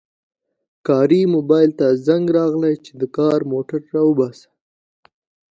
کاري موبایل ته زنګ راغی چې د کار موټر راوباسه